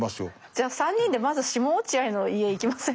じゃあ３人でまず下落合の家行きませんか。